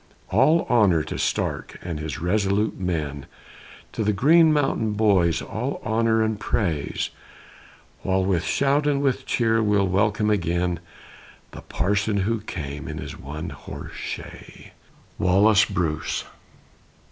All honor to Stark and his resolute men, To the Green Mountain Boys all honor and praise, While with shout and with cheer we welcome again, The Parson who came in his one horse chaise. WALLACE BRUCE.